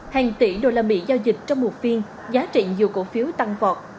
hàng tỷ đô la mỹ giao dịch trong một phiên giá trị nhiều cổ phiếu tăng vọt